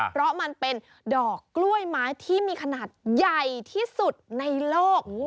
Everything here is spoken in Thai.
เพราะมันเป็นดอกกล้วยไม้ที่มีขนาดใหญ่ที่สุดในโลก